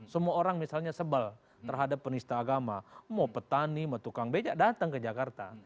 semua orang misalnya sebel terhadap penista agama mau petani mau tukang becak datang ke jakarta